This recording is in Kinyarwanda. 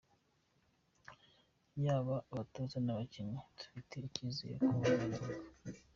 Yaba abatoza n’abakinnyi dufite icyizere ko bazagaruka.